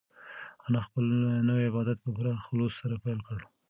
انا خپل نوی عبادت په پوره خلوص سره پیل کړ.